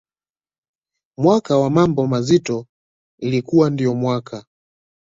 mwaka wa mambo mazito ilikuwa ndiyo mwaka